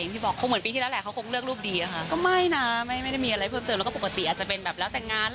เมื่อก่อนเลยนะก็รอได้ดูพร้อมกัน